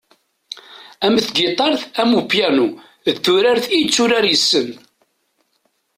Am tgiṭart am upyanu, d turart i yetturar yes-sen.